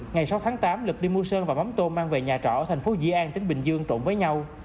ngày sáu tháng tám lực đi mua sơn và mắm tôm mang về nhà trọ ở thành phố dĩ an tỉnh bình dương trộn với nhau